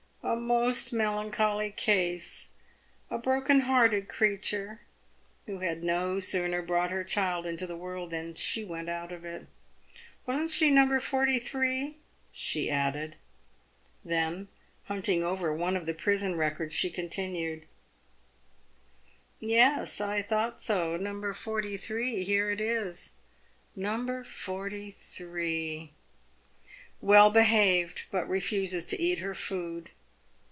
" A most melancholy case ! A broken hearted creature, who had no sooner brought her child into the world than she went out of it. "Wasn't she No. 43 ?" she added. Then, hunting over one of the prison records, she continued, " Yes, I thought so, No. 43 — here it is, No. 43. '"Well behaved, but re fuses to eat her food.'